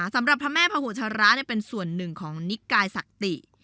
สำหรับพระแม่พัชระเป็นส่วนหนึ่งของนิกายศักติ